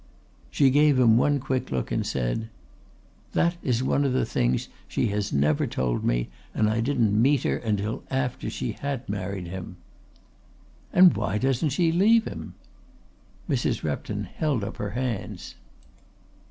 She gave him one quick look and said: "That is one of the things she has never told me and I didn't meet her until after she had married him." "And why doesn't she leave him?" Mrs. Repton held up her hands.